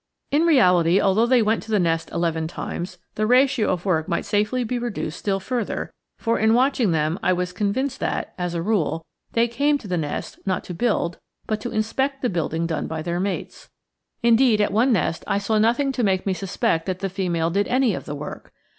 In reality, although they went to the nest eleven times, the ratio of work might safely be reduced still further; for in watching them I was convinced that, as a rule, they came to the nest, not to build, but to inspect the building done by their mates. Indeed, at one nest, I saw nothing to make me suspect that the female did any of the work.